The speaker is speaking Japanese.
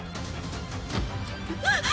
あっ！